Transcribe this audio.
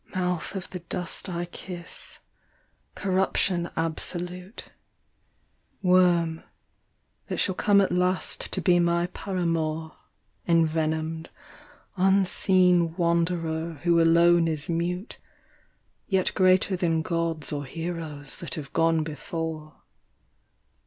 III. MOUTH of the dust I kiss, corruption absolute, Worm, that shall come at last to be my paramour, Envenomed, unseen wanderer who alone is mute, Yet greater than gods or heroes that have gone before.